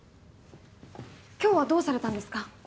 今日はどうされたんですか？